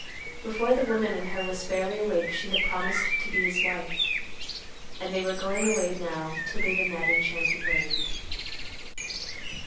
Before the woman in her was fairly awake she had promised to be his wife; and they were going away now to live in that enchanted land.